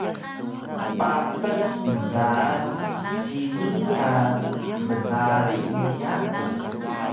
patas endaan scinun ka bnarig mu yaku